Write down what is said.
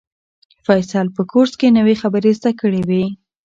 فیصل په کورس کې نوې خبرې زده کړې وې.